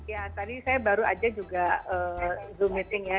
ya tadi saya baru aja juga zoom meeting ya